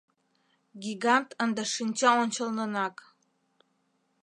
Гигант ынде шинча ончылнынак!